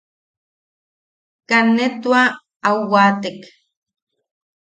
Kat ne tua au waatek.